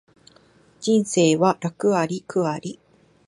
人生は楽あり苦あり